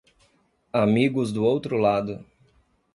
Amigos do outro lado